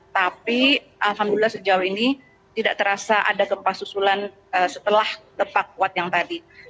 tapi alhamdulillah sejauh ini tidak terasa ada gempa susulan setelah lepak kuat yang tadi